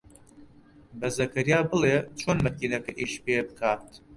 بە زەکەریا بڵێ چۆن مەکینەکە ئیش پێ بکات.